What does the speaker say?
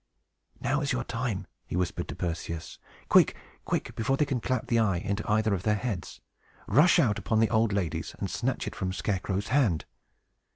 "Now is your time!" he whispered to Perseus. "Quick, quick! before they can clap the eye into either of their heads. Rush out upon the old ladies, and snatch it from Scarecrow's hand!"